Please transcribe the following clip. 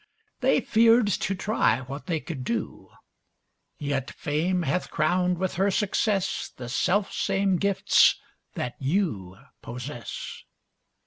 They feared to try what they could do; Yet Fame hath crowned with her success The selfsame gifts that you possess.